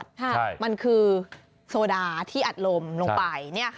ใช่มันคือโซดาที่อัดลมลงไป